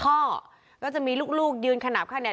แล้วจะมีลูกยืนขนับข้างนี้